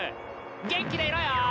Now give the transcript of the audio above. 元気でいろよ